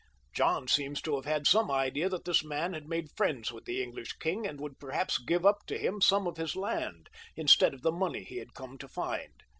John seems to have had some idea that this man had made friends with the English king, and would perhaps give up to him some of his land, instead of the money he had come to find.